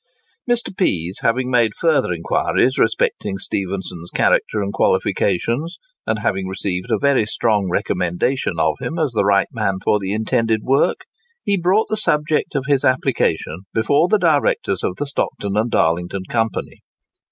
Mr. Pease having made further inquiries respecting Stephenson's character and qualifications, and having received a very strong recommendation of him as the right man for the intended work, he brought the subject of his application before the directors of the Stockton and Darlington Company.